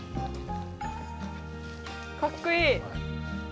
かっこいい。